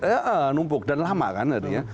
iya numpuk dan lama kan jadinya